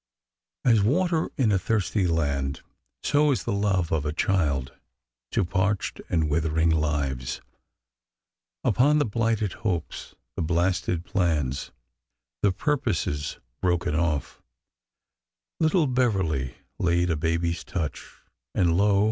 As water in a thirsty land, so is the love of a child to parched and withering lives. Upon the blighted hopes, the blasted plans, the purposes broken off, little Beverly laid a baby's touch, and, lo